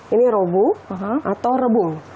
ini rebu atau rebung